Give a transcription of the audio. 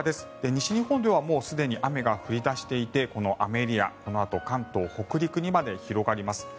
西日本ではもうすでに雨が降り出していてこの雨エリア、このあと関東・北陸にまで広がります。